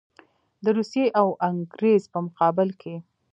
د روسیې او انګرېز په مقابل کې.